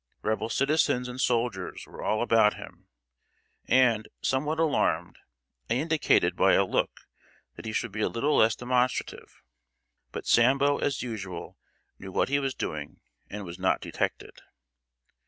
Rebel citizens and soldiers were all about him; and, somewhat alarmed, I indicated by a look that he should be a little less demonstrative. But Sambo, as usual, knew what he was doing, and was not detected.